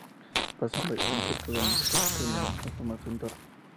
Pasaron varios cientos de años hasta que aprendieron a transformar su entorno.